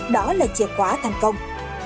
đó là chìa khóa thành công